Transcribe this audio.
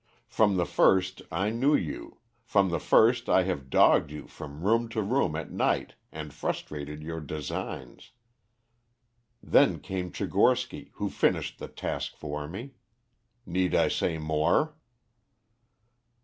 From the first I knew you, from the first I have dogged you from room to room at night and frustrated your designs. Then came Tchigorsky, who finished the task for me. Need I say more?"